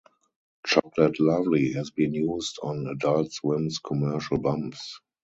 "Chocolate Lovely" has been used on Adult Swim's commercial bumps.